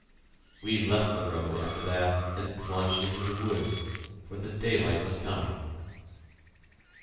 We left the road after that, and plunged into the woods, for the daylight was coming.